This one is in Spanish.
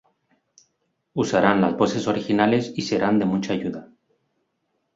Usarán las voces originales y serán de mucha ayuda.